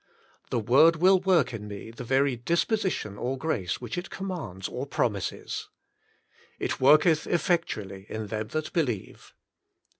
The Word Will Work in Me the Very Disposition OR Grace Which it Commands or Promises. ^'It worketh effectually in them that believe."